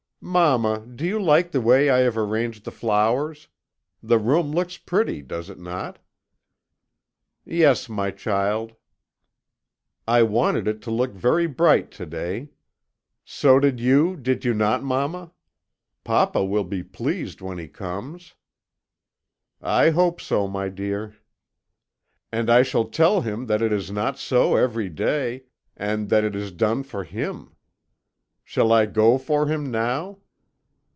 "'Mamma, do you like the way I have arranged the flowers? The room looks pretty, does it not?' "'Yes, my child.' "'I wanted it to look very bright to day. So did you, did you not, mamma? Papa will be pleased when he comes.' "'I hope so, my dear.' "'And I shall tell him that it is not so every day, and that it is done for him. Shall I go for him now?'